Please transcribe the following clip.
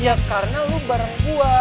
ya karena lu bareng gua